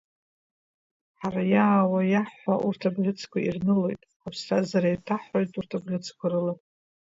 Ҳара иаауа, иаҳҳәо урҭ абӷьыцқәа ирнылоит, ҳаԥсҭазаара еиҭаҳҳәоит урҭ абӷьыцқәа рыла.